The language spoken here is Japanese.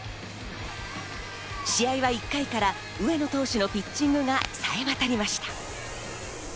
試合は１回から上野投手のピッチングが冴え渡りました。